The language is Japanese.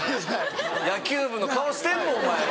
野球部の顔してるもんお前は。